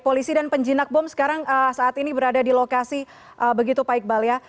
polisi dan penjinak bom sekarang saat ini berada di lokasi begitu pak iqbal ya